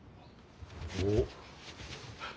おっ。